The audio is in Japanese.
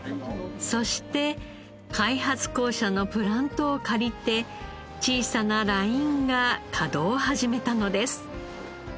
そして開発公社のプラントを借りて小さなラインが稼働を始めたのです。